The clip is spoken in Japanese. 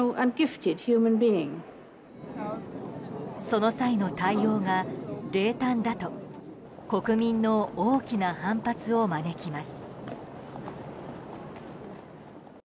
その際の対応が、冷淡だと国民の大きな反発を招きます。